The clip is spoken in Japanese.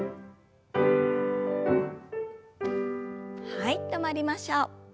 はい止まりましょう。